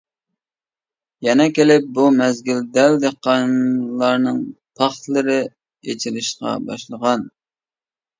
يەنە كېلىپ بۇ مەزگىل دەل دېھقانلارنىڭ پاختىلىرى ئېچىلىشقا باشلىغان.